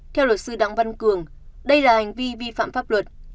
theo luật sư đặng văn cường đây là hành vi vi phạm pháp luật